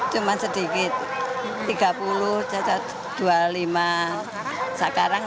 cuman sedikit tiga puluh dua puluh lima sekarang lima puluh